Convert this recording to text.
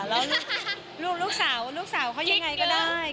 แล้วลูกสาวเขายังไงก็ได้